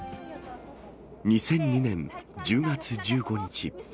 ２００２年１０月１５日。